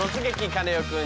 カネオくん」。